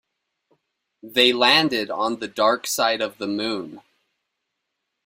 They landed on the dark side of the moon.